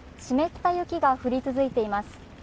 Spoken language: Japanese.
湿った雪が降り続いています。